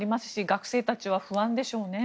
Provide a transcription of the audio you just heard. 学生たちは不安でしょうね。